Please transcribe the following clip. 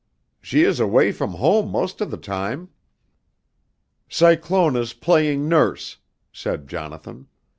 "She is away from home most of the time." "Cyclona's playing nurse," said Jonathan.